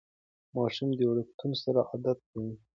ماشوم د وړکتون سره عادت کوي.